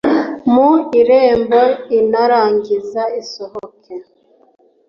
mu irembo i narangiza asohoke